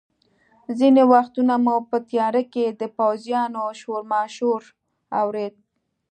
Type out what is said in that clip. ځینې وختونه مو په تیاره کې د پوځیانو شورماشور اورېده.